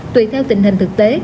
tùy theo tình hình thực tế